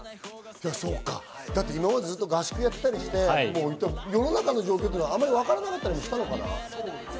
今まで合宿やってたりして世の中の状況はあまり分からなかったりしたのかな？